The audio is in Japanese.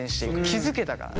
気付けたから。